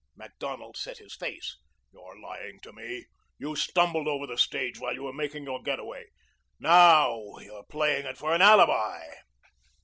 Macdonald set his face. "You're lying to me. You stumbled over the stage while you were making your getaway. Now you're playing it for an alibi."